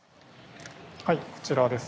はいこちらです